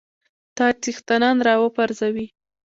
تاج څښتنان را وپرزوي.